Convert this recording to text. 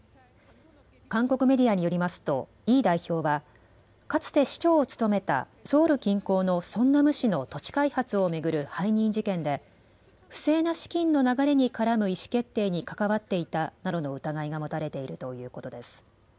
韓国メディアによりますとイ代表は、かつて市長を務めたソウル近郊のソンナム市の土地開発を巡る背任事件で不正な資金の流れに絡む意思決定に関わっていたなどの疑いが持たれているということです。